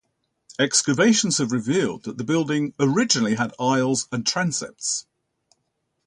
Excavations have revealed that the building originally had aisles and transepts.